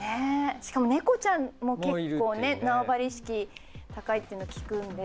しかも猫ちゃんも結構ね縄張り意識高いっていうのを聞くので。